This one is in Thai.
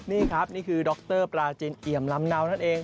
นี่ครับนี่คือดรปราจินเอี่ยมลำเนานั่นเอง